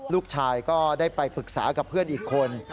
ลูกชายก็ได้ไปปรึกษากับเพื่อนอีกคน